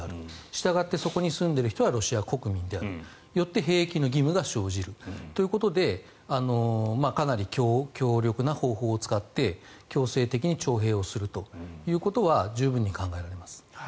したがってそこに住んでいる人はロシア国民であるよって兵役の義務が生じるということでかなり強力な方法を使って強制的に徴兵をすることは十分に考えられます。